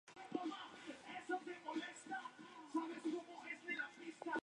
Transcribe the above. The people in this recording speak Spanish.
A continuación dirigió teatro para Internet y producciones documentales.